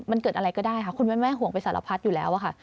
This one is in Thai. มันเกิดอะไรก็ได้ค่ะคุณแม่ห่วงไปสารพัดอยู่แล้วค่ะ